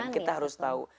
kita harus tahu